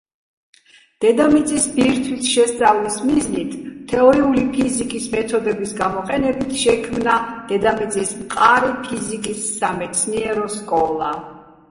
დედამიწის ბირთვის შესწავლის მიზნით თეორიული ფიზიკის მეთოდების გამოყენებით შექმნა დედამიწის მყარი ფიზიკის სამეცნიერო სკოლა.